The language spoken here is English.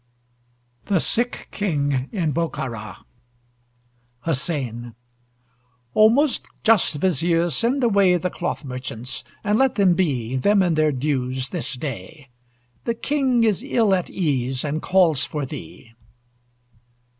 THE SICK KING IN BOKHARA HUSSEIN O most just Vizier, send away The cloth merchants, and let them be, Them and their dues, this day! the King Is ill at ease, and calls for thee.